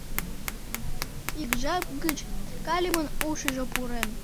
Ик жап гыч Калимын ушыжо пурен.